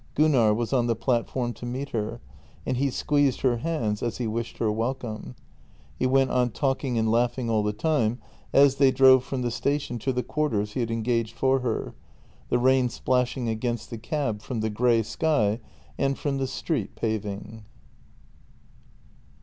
Gunnar was on the platform to meet her, and he squeezed her hands as he wished her welcome. He went on talking and laughing all the time as they drove from the station' to the quarters he had engaged for her, the rain splashing against the cab from the grey sky and from the street paving.